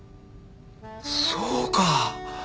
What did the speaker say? そうか。